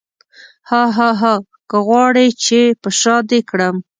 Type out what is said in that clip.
هاهاها که غواړې چې په شاه دې کړم.